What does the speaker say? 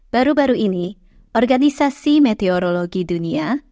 baru baru ini organisasi meteorologi dunia